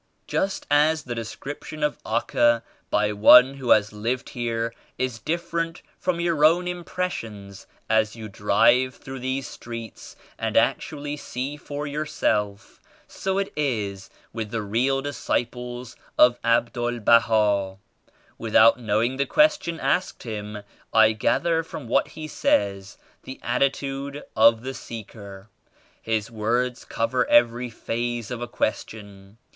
"Just as the description of Acca by one who has lived here is different from your own impres sions as you drive through these streets and ac tually see for yourself, so it is with the real dis ciples of Abdul Baha. Without knowing the question asked Him, I gather from what he says the attitude of the seeker. His words cover every phase of a question.